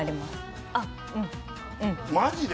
マジで？